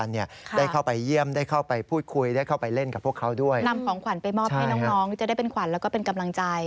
นำของขวัญไปมอบให้น้องจะได้เป็นขวัญแล้วก็เป็นกำลังใจ